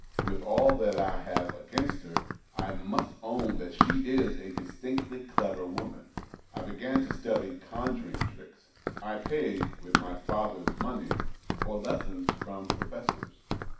AVith all that I have against her, I must own that she is a distinctly clever woman. I began to study conjuring tricks ; I paid — with my father's 76 THE OCTAVE OF CLAUDIUS. money — for lessons from professors.